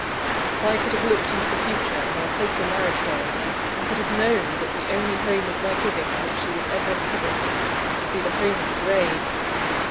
If I could have looked into the future on our fatal marriage day, and could have known that the only home of my giving which she would ever inhabit, would be the home of the grave!